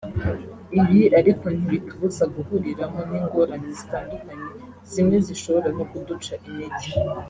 ibi ariko ntibitubuza guhuriramo n’ingorane zitandukanye zimwe zishobora no kuduca intege